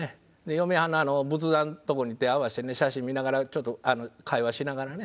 嫁はんの仏壇のとこに手合わせてね写真見ながらちょっと会話しながらね